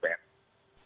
pengumuman dari kpn